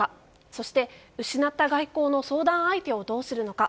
そして、失った外交の相談相手をどうするのか。